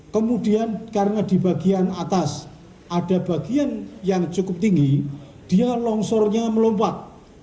kemudian karena di bagian atas ada bagian yang cukup tinggi dia longsornya melompat